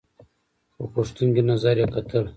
په پوښتونکي نظر یې کتل !